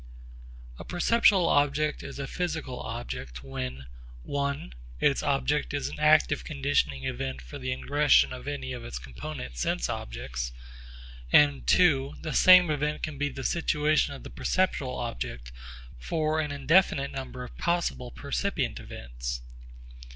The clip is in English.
A perceptual object is a physical object when (i) its situation is an active conditioning event for the ingression of any of its component sense objects, and (ii) the same event can be the situation of the perceptual object for an indefinite number of possible percipient events.